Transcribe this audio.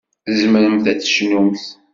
Tzemremt ad tecnumt.